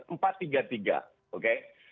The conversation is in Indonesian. the problem dengan empat tiga tiga adalah